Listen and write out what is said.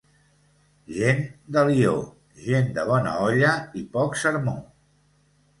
Gent d'Alió, gent de bona olla i poc sermó.